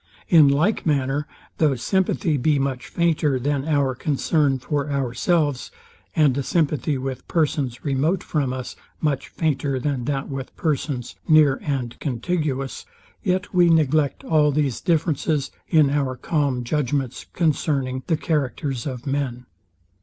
In like manner, though sympathy be much fainter than our concern for ourselves, and a sympathy with persons remote from us much fainter than that with persons near and contiguous; yet we neglect all these differences in our calm judgments concerning the characters of men.